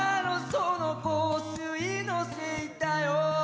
「その香水のせいだよ」